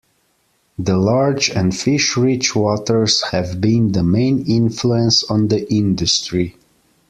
The large and fish-rich waters have been the main influence on the industry.